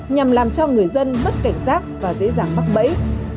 nhằm làm cho người dân mất cảnh giác và dễ dàng mắc bẫy